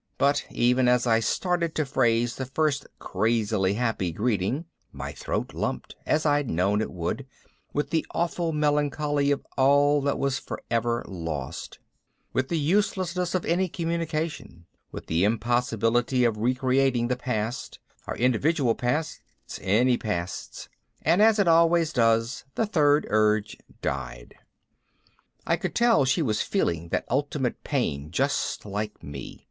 But even as I started to phrase the first crazily happy greeting, my throat lumped, as I'd known it would, with the awful melancholy of all that was forever lost, with the uselessness of any communication, with the impossibility of recreating the past, our individual pasts, any pasts. And as it always does, the third urge died. I could tell she was feeling that ultimate pain just like me.